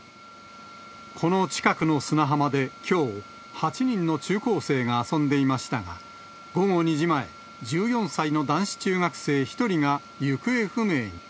この近くの砂浜できょう、８人の中高生が遊んでいましたが、午後２時前、１４歳の男子中学生１人が行方不明に。